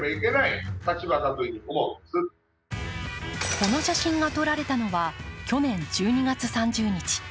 この写真が撮られたのは去年１２月３０日。